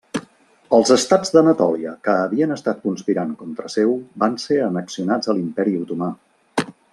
Els estats d'Anatòlia que havien estat conspirant contra seu van ser annexionats a l'Imperi Otomà.